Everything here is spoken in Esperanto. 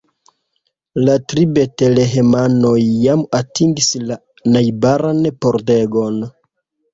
La tri betlehemanoj jam atingis la najbaran pordegon.